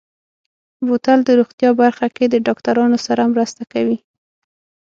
بوتل د روغتیا برخه کې د ډاکترانو سره مرسته کوي.